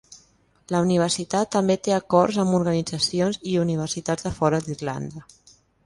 La universitat també té acords amb organitzacions i universitats de fora d'Irlanda.